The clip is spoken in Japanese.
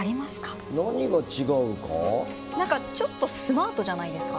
何かちょっとスマートじゃないですか？